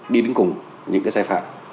đi đứng cùng những cái sai phạm